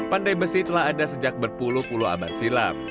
pandai besi telah ada sejak berpuluh puluh abad silam